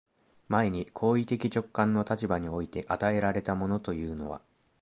前に行為的直観の立場において与えられたものというのは、